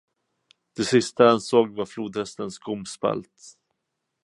Det sista han såg var flodhästens gomspalt.